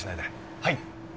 はい！